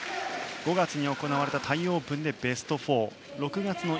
５月に行われたタイオープンでベスト４６月の